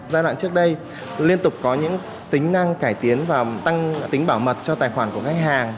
giai đoạn trước đây liên tục có những tính năng cải tiến và tăng tính bảo mật cho tài khoản của khách hàng